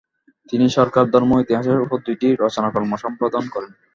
তিনি সরকার, ধর্ম ও ইতিহাসের উপর দুইটি রচনাকর্ম সম্পাদন করেন।